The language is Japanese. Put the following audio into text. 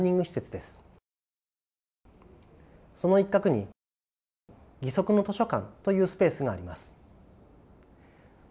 その一角にギソクの図書館というスペースがあります。